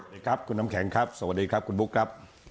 สวัสดีครับคุณน้ำแข็งครับสวัสดีครับคุณบุ๊คครับ